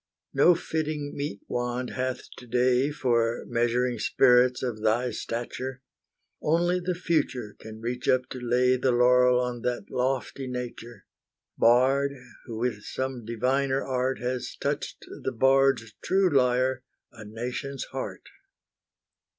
No fitting metewand hath To day For measuring spirits of thy stature, Only the Future can reach up to lay The laurel on that lofty nature, Bard, who with some diviner art Has touched the bard's true lyre, a nation's heart.